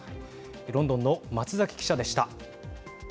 ロンドンの松崎記者でした。